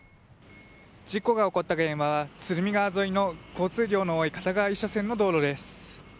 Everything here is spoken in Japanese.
事故が起こった現場は鶴見川沿いの交通量の多い片側１車線の道路です。